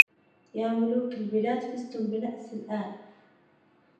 يا ملوك البلاد فزتم بنسء ال